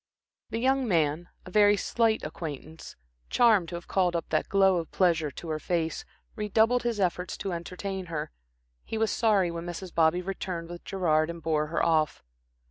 The young man, a very slight acquaintance, charmed to have called up that glow of pleasure to her face, redoubled his efforts to entertain her. He was sorry when Mrs. Bobby returned with Gerard, and bore her off.